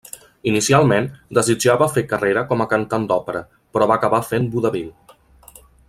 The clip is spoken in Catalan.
Inicialment, desitjava fer carrera com a cantant d'òpera, però va acabar fent vodevil.